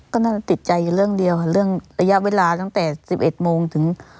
ก็นั่นติดใจอยู่เรื่องเดียวค่ะเรื่องระยะเวลาตั้งแต่๑๑โมงถึง